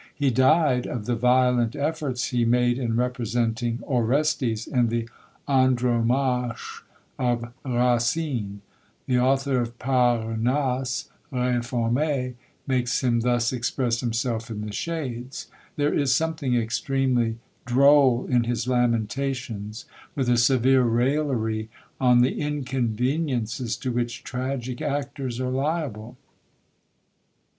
He died of the violent efforts he made in representing Orestes in the Andromache of Racine. The author of the "Parnasse Reformé" makes him thus express himself in the shades. There is something extremely droll in his lamentations, with a severe raillery on the inconveniences to which tragic actors are liable.